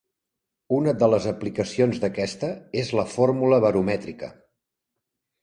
Una de les aplicacions d'aquesta és la fórmula baromètrica.